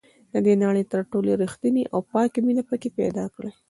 د نړۍ تر ټولو ریښتینې او پاکه مینه پکې پیدا کړئ.